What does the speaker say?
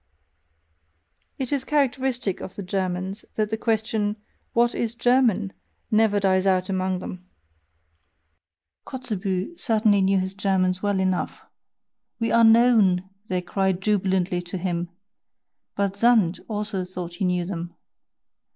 It IS characteristic of the Germans that the question: "What is German?" never dies out among them. Kotzebue certainly knew his Germans well enough: "We are known," they cried jubilantly to him but Sand also thought he knew them.